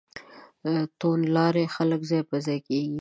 توندلاري خلک ځای پر ځای کېږي.